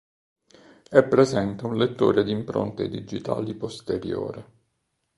È presente un lettore di impronte digitali posteriore.